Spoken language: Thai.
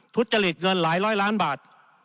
ทุจริตเงินหลายร้อยล้านบาท